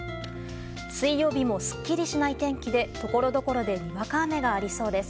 水曜日もすっきりしない天気でところどころでにわか雨がありそうです。